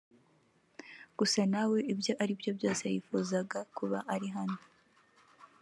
Gusa nawe ibyo aribyo byose yifuzaga kuba ari hano